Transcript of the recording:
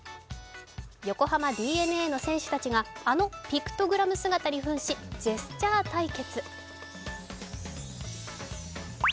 横浜ＤｅＮＡの選手たちが、あのピクトグラム姿にふんしジェスチャー対決。